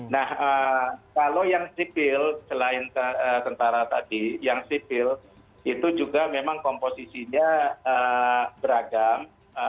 nah kalau yang sipil selain tentara tadi yang sipil itu juga memang komposisinya beragam